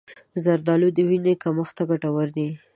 زردآلو د وینې کمښت ته ګټور دي.